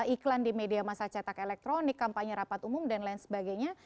iklan di media masa cetak elektronik kampanye rapat umum dan lain sebagainya